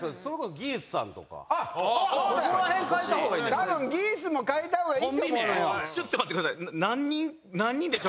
多分ギースも変えたほうがいいと思うのよ。